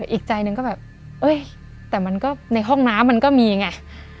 อีกใจหนึ่งก็แบบเอ้ยแต่มันก็ในห้องน้ำมันก็มีไง